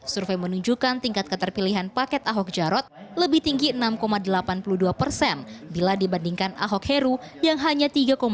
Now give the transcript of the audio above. survei menunjukkan tingkat keterpilihan paket ahok jarot lebih tinggi enam delapan puluh dua persen bila dibandingkan ahok heru yang hanya tiga empat